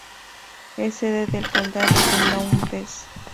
Es sede del condado de Lowndes.